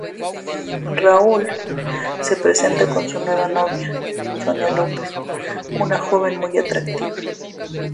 Raúl, se presenta con su nueva novia, Sonia López, una joven muy atractiva.